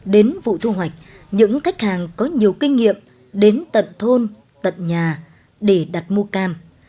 đến vụ thu hoạch những khách hàng có nhiều kinh nghiệm đến tận thôn tận nhà để đặt mua cam